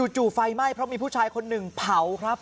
จู่ไฟไหม้เพราะมีผู้ชายคนหนึ่งเผาครับ